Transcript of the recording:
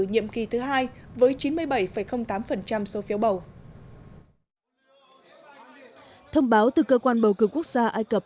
nhiệm kỳ thứ hai với chín mươi bảy tám số phiếu bầu thông báo từ cơ quan bầu cử quốc gia ai cập